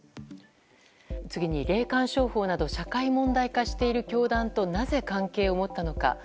次に、霊感商法など社会問題化している教団となぜ関係を持ったのか。